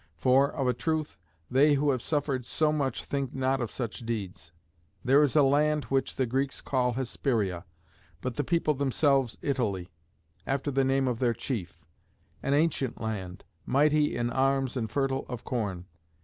For, of a truth, they who have suffered so much think not of such deeds. There is a land which the Greeks call Hesperia, but the people themselves Italy, after the name of their chief; an ancient land, mighty in arms and fertile of corn.